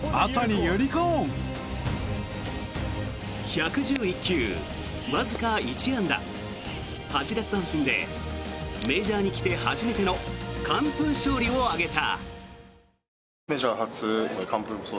１１１球、わずか１安打８奪三振でメジャーに来て初めての完封勝利を挙げた。